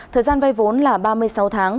thời gian vay vốn là ba mươi sáu tháng